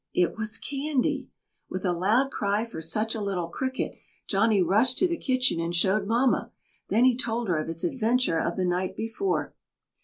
It was candy! With a loud cry for such a little Cricket, Johnny rushed to the kitchen and showed Mamma, then he told her of his adventure of the night before.